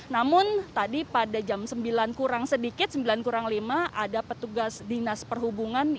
namun tadi pada jam sembilan kurang sedikit sembilan kurang lima ada petugas dinas perhubungan